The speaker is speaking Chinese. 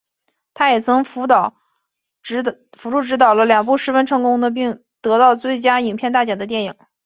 他也曾辅助执导了两部十分成功的并得到最佳影片大奖的电影。